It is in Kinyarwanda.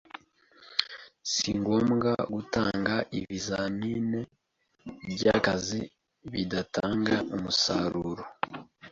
Singombwa gutanga ibizamine by”akazi bidatanga umusaruro